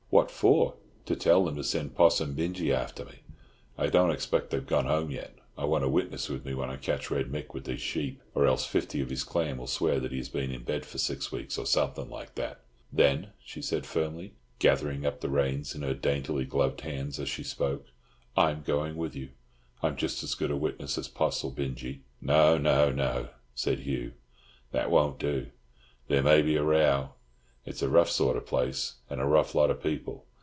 "What for?" "To tell them to send Poss and Binjie after me. I don't expect they've gone home yet. I want a witness with me when I catch Red Mick with these sheep, or else fifty of his clan will swear that he has been in bed for six weeks, or something like that." "Then," she said firmly, gathering up the reins in her daintily gloved hands as she spoke, "I'm going with you. I'm just as good a witness as Poss or Binjie." "No, no, no," said Hugh, "that won't do. There may be a row. It's a rough sort of place, and a rough lot of people.